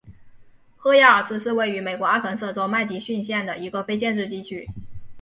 赫亚尔思是位于美国阿肯色州麦迪逊县的一个非建制地区。